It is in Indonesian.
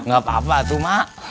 gak apa apa tuh mak